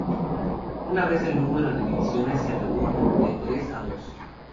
Una vez el número de divisiones se redujo de tres a dos.